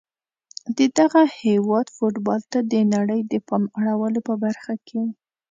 د دغه هیواد فوتبال ته د نړۍ د پام اړولو په برخه کې